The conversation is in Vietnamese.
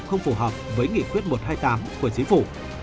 không phù hợp với nghị quyết một trăm hai mươi tám của chính phủ